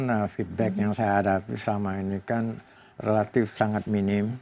karena feedback yang saya hadapi selama ini kan relatif sangat minim